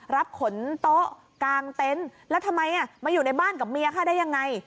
รับขนโต๊ะกลางเต็นต์แล้วทำไมมาอยู่ในบ้านกับเมียฆ่าได้ยังไง